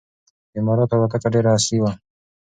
د اماراتو الوتکه ډېره عصري وه.